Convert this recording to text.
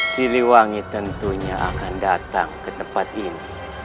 siliwangi tentunya akan datang ke tempat ini